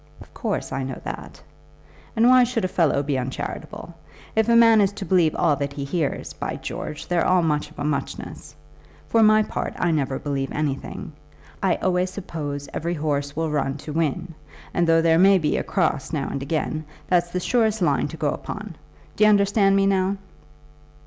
"Of course, I know that." "And why should a fellow be uncharitable? If a man is to believe all that he hears, by George, they're all much of a muchness. For my part I never believe anything. I always suppose every horse will run to win; and though there may be a cross now and again, that's the surest line to go upon. D'you understand me now?"